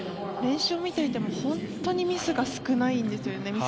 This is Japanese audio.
練習を見ていても本当にミスが少ないんですよね。